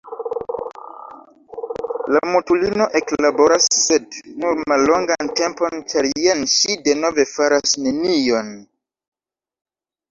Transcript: La mutulino eklaboras, sed nur mallongan tempon, ĉar jen ŝi denove faras nenion.